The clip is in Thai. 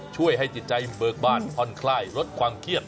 ช่วยให้จิตใจเบิกบ้านผ่อนคลายลดความเครียด